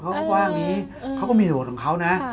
เขาก็ว่าอย่างนี้เขาก็มีเหตุผลของเขานะ